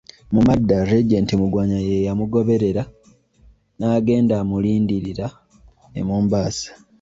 Mu madda Regent Mugwanya ye yamugoberera n'agenda amulindirira e Mombasa.